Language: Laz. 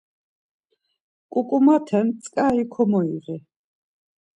Ǩuǩumaten tzǩari komoyiği.